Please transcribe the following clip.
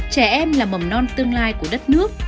trẻ em là mầm non tương lai của đất nước